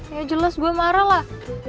ya jelas gue marah lah